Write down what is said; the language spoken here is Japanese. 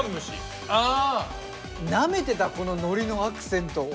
なめてたこののりのアクセントを。